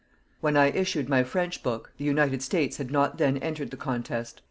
When I issued my French book, the United States had not then entered the contest.